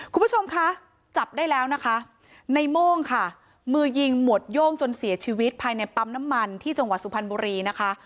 คุณผู้ชมคะจับได้แล้วนะคะในโม่งค่ะมือยิงหมวดโย่งจนเสียชีวิตภายในปั๊มน้ำมันที่จังหวัดสุพรรณบุรีนะคะ